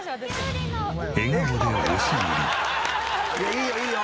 いやいいよいいよ。